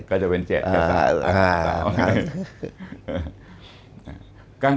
ก็จะเป็น๗๙